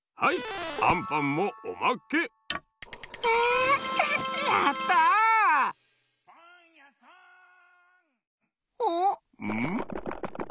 うん？